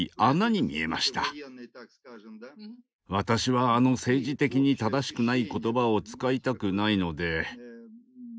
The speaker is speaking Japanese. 私はあの政治的に正しくない言葉を使いたくないので。